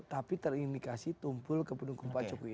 tapi terindikasi tumpul ke pendukung pak jokowi